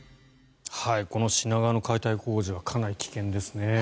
この品川の解体工事はかなり危険ですね。